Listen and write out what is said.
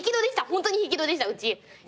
ホントに引き戸でしたうち。